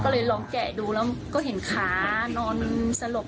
ลองแกะดูคือเห็นขานอนสลบ